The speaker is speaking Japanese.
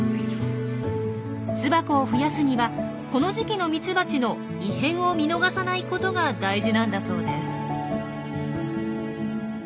巣箱を増やすにはこの時期のミツバチの異変を見逃さないことが大事なんだそうです。